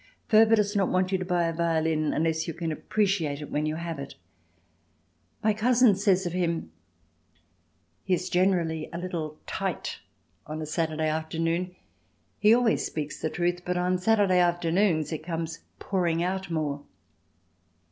Furber does not want you to buy a violin unless you can appreciate it when you have it. My cousin says of him: "He is generally a little tight on a Saturday afternoon. He always speaks the truth, but on Saturday afternoons it comes pouring out more."